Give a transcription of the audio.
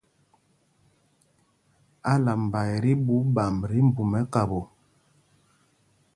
Álamba ɛ́ tí ɓuu ɓamb tí mbu mɛ́kapo.